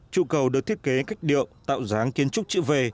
chủ cầu được thiết kế cách điệu tạo dáng kiến trúc chữ v